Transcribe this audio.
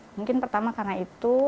mungkin pertama karena itu